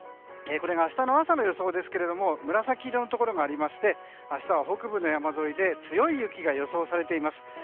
これが明日の朝の予想ですが紫色のところがありまして明日は北部の山沿いで強い雪が予想されています。